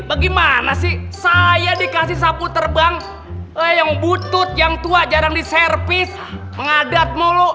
bagaimana sih saya dikasih sapu terbang yang butut yang tua jarang diservis ngadat molo